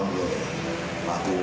ini tidak memulai kursu